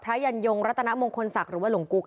ยันยงรัตนมงคลศักดิ์หรือว่าหลวงกุ๊ก